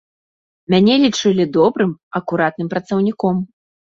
Мяне лічылі добрым, акуратным працаўніком.